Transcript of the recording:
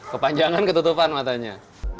kepanjangan ketutupan matanya